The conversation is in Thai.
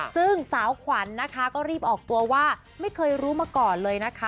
ซึ่งสาวขวัญนะคะก็รีบออกตัวว่าไม่เคยรู้มาก่อนเลยนะคะ